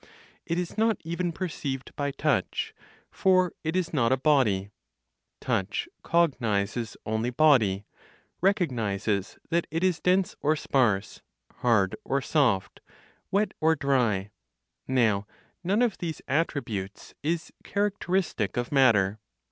It is not even perceived by touch, for it is not a body. Touch cognizes only body, recognizes that it is dense or sparse, hard or soft, wet or dry; now none of these attributes is characteristic of matter.